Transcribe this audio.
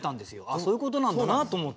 そういうことなんだなと思って。